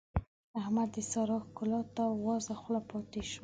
احمد د سارا ښکلا ته وازه خوله پاته شو.